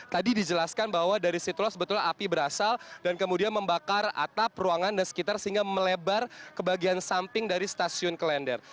tadi dijelaskan bahwa dari situlah sebetulnya api berasal dan kemudian membakar atap ruangan dan sekitar sehingga melebar ke bagian samping dari stasiun kelender